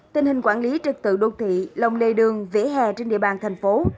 tình hình quản lý trực tự đô thị lồng lề đường vỉa hè trên địa bàn thành phố